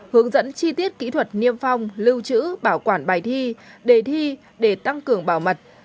hướng dẫn chi tiết kỹ thuật niêm phong lưu chữ bảo quản bài thi đề thi để tăng cường bảo mật